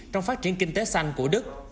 trong phát triển kinh tế xanh của đức